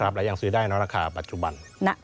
แล้วยังซื้อได้เนอราคาปัจจุบัน